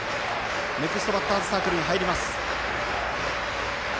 ネクストバッターズサークルに入ります。